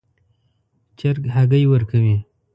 چرګ هګۍ ورکوي